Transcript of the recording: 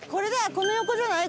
この横じゃない？